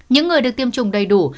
những người được tiêm chủng đầy đủ